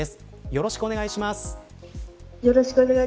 よろしくお願いします。